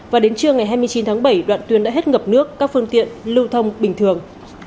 và đến trưa ngày hai mươi chín tháng bảy đoạn tuyên đã hết ngập nước các phương tiện lưu thông bình thường